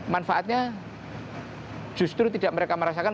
manfaatnya justru tidak mereka merasakan